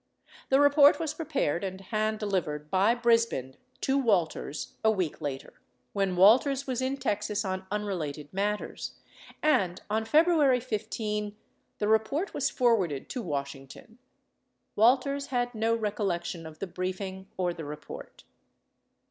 The report was prepared and hand delivered by Bris bin to Walters a week later, when Walters was in Texas on unrelated matters and, on February 15, the report was forwarded to Washing ton. Walters had no recollection of the briefing or the report.